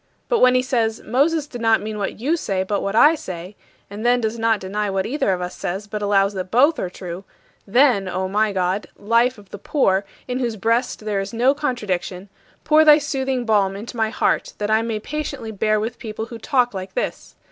But when he says, "Moses did not mean what you say, but what I say," and then does not deny what either of us says but allows that both are true then, O my God, life of the poor, in whose breast there is no contradiction, pour thy soothing balm into my heart that I may patiently bear with people who talk like this!